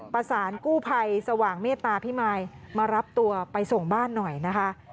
ประสานกู้ภัยสว่างเมตตาพิมายมารับตัวไปส่งบ้านหน่อยนะคะ